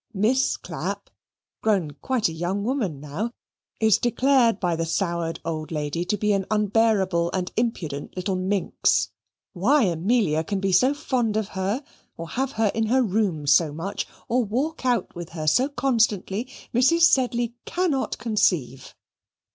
Miss Clapp, grown quite a young woman now, is declared by the soured old lady to be an unbearable and impudent little minx. Why Amelia can be so fond of her, or have her in her room so much, or walk out with her so constantly, Mrs. Sedley cannot conceive.